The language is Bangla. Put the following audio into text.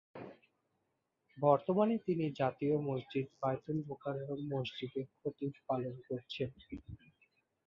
বর্তমানে তিনি জাতীয় মসজিদ বায়তুল মোকাররম মসজিদের খতিব পালন করছেন।